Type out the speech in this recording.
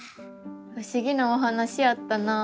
ふしぎなお話やったな。